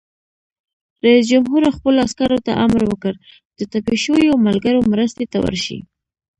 رئیس جمهور خپلو عسکرو ته امر وکړ؛ د ټپي شویو ملګرو مرستې ته ورشئ!